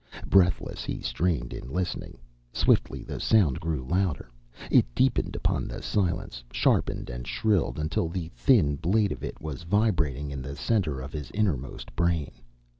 Breathless, he strained in listening. Swiftly the sound grew louder. It deepened upon the silence, sharpened and shrilled until the thin blade of it was vibrating in the center of his innermost brain.